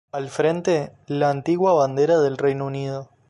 Al frente, la antigua bandera del Reino Unido.